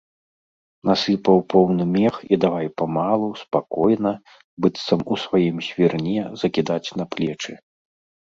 Насыпаў поўны мех і давай памалу, спакойна, быццам у сваім свірне, закідаць па плечы.